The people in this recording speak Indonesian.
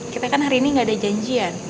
kita kan hari ini gak ada janjian